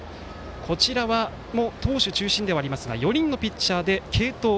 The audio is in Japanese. こちらも投手中心ではありますが４人のピッチャーでの継投。